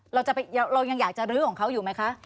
เรายังอยากจะลื้อของเขาอยู่ไหมคะ